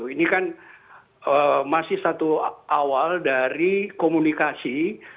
ini kan masih satu awal dari komunikasi